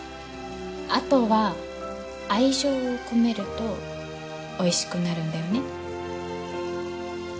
あとは愛情を込めるとおいしくなるんだよね？